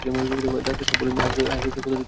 Doctor সাহেব বললেন, high প্রেশারে কত দিন ধরে ভুগছেন?